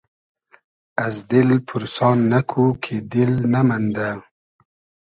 از دیل پورسان نئکو کی دیل نئمئندۂ